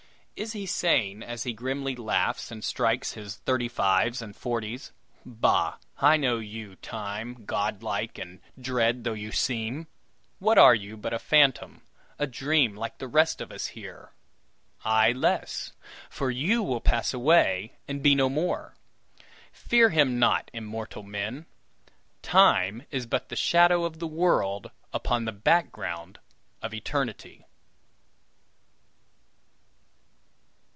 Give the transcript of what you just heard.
Is he saying, as he grimly laughs, and strikes his thirty fives and forties: "Bah! I know you, Time, godlike and dread though you seem. What are you but a phantom a dream like the rest of us here? Ay, less, for you will pass away and be no more. Fear him not, immortal men. Time is but the shadow of the world upon the background of Eternity!"